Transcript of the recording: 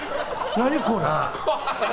何これ。